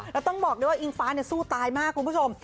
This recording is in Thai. แล้วต้องบอกด้วยว่าอิงฟ้าสู้ตายมากคุณผู้ชม